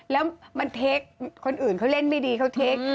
แล้วมันเทคคนอื่นเขาเล่นไม่ดีเขาเทค